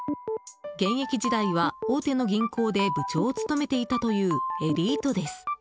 現役時代は大手の銀行で部長を務めていたというエリートです。